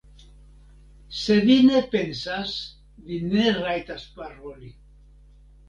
Se vi ne pensas, vi ne rajtas paroli.